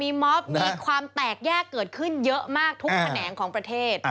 มีมอบมีความแตกแยกเกิดขึ้นเยอะมากทุกแขนงของประเทศ